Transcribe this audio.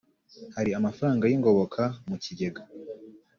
hari amafaranga y ingoboka mu kigega